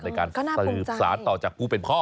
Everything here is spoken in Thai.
ก็น่าภูมิใจในการสืบศาสตร์ต่อจากผู้เป็นพ่อ